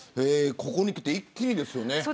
ここにきて一気にですよね。